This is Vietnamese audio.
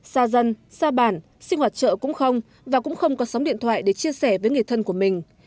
xa dân xa bản sinh hoạt chợ cũng không và cũng không có sóng điện thoại để chia sẻ với người thân của mình